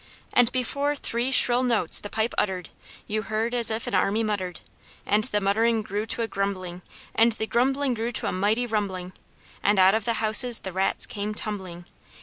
And before three shrill notes the pipe uttered, You heard as if an army muttered; And the muttering grew to a grumbling; And the grumbling grew to a mighty rumbling; And out of the houses the rats came tumbling!